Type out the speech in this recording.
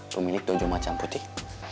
pemilik dojo macam putih